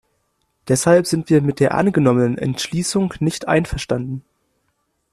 Deshalb sind wir mit der angenommenen Entschließung nicht einverstanden.